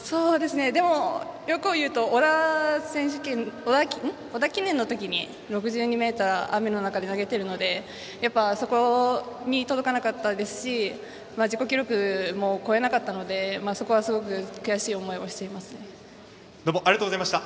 でも、欲を言うと織田記念の時に６２ｍ、雨の中で投げているのでそこに届かなかったですし自己記録も超えられなかったのでそこはすごくありがとうございました。